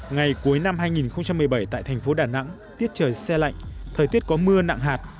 ngày cuối năm hai nghìn một mươi bảy tại thành phố đà nẵng tiết trời xe lạnh thời tiết có mưa nặng hạt